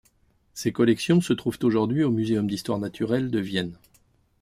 Ses collections se trouvent aujourd'hui au Muséum d'histoire naturelle de Vienne.